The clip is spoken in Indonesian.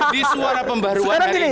di suara pembaruan hari ini